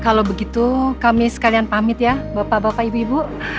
kalau begitu kami sekalian pamit ya bapak bapak ibu ibu